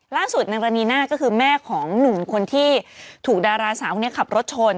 นางรณีน่าก็คือแม่ของหนุ่มคนที่ถูกดาราสาวคนนี้ขับรถชน